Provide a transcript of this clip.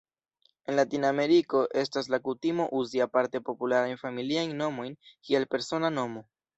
En Latinameriko estas la kutimo uzi aparte popularajn familiajn nomojn kiel persona nomo.